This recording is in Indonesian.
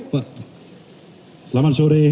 pak selamat sore